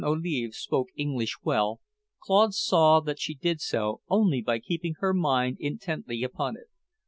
Olive spoke English well, Claude saw that she did so only by keeping her mind intently upon it.